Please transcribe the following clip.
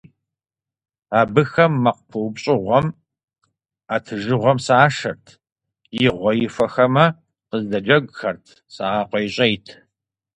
Абыхэм мэкъу пыупщӀыгъуэм, Ӏэтыжыгъуэм сашэрт, игъуэ ихуэхэмэ, кыздэджэгухэрт, сагъэкъуейщӀейт.